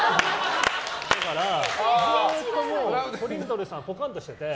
だからずっとトリンドルさんがぽかんとしていて。